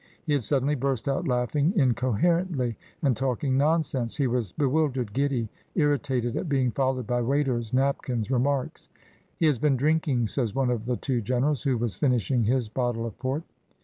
He had suddenly burst out laughing in coherently, and talking nonsense, he was bewil dered, giddy, irritated at being followed by waiters, napkins, remarks. "He has been drinking," says one of the two generals, who was finishing. his bottle of port.